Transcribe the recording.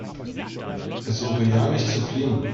Versuche ja nicht zu fliehen!